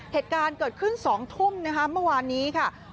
เหตุการณ์เกิดขึ้น๒ทุ่มเมื่อวานนี้